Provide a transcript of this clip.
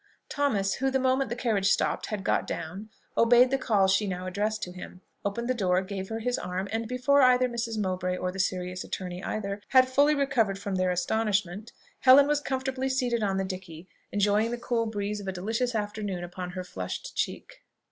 Thomas, who, the moment the carriage stopped, had got down, obeyed the call she now addressed to him, opened the door, gave her his arm; and before either Mrs. Mowbray, or the serious attorney either, had fully recovered from their astonishment, Helen was comfortably seated on the dickey, enjoying the cool breeze of a delicious afternoon upon her flushed cheek.